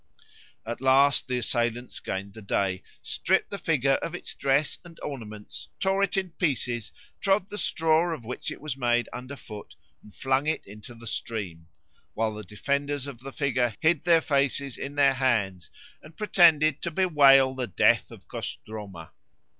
At last the assailants gained the day, stripped the figure of its dress and ornaments, tore it in pieces, trod the straw of which it was made under foot, and flung it into the stream; while the defenders of the figure hid their faces in their hands and pretended to bewail the death of Kostroma.